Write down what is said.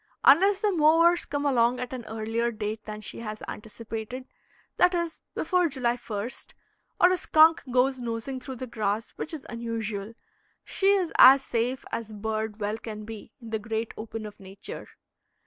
Unless the mowers come along at an earlier date than she has anticipated, that is, before July lst, or a skunk goes nosing through the grass, which is unusual, she is as safe as bird well can be in the great open of nature.